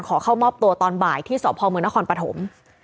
ขอเข้ามอบตัวตอนบ่ายที่สพมนครปฐม